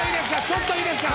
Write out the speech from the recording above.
ちょっといいですか？